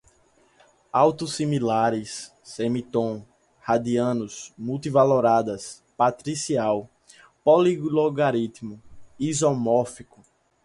autossimilares, semitom, radianos, multivaloradas, matricial, polilogaritmo, isomórfico